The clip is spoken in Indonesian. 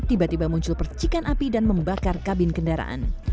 tiba tiba muncul percikan api dan membakar kabin kendaraan